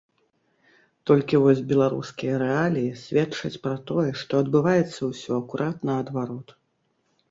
Толькі вось беларускія рэаліі сведчаць пра тое, што адбываецца ўсё акурат наадварот.